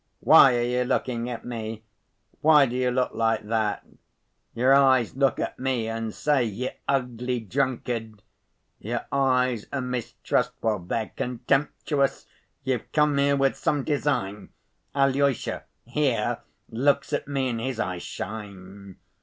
"Why are you looking at me? Why do you look like that? Your eyes look at me and say, 'You ugly drunkard!' Your eyes are mistrustful. They're contemptuous.... You've come here with some design. Alyosha, here, looks at me and his eyes shine.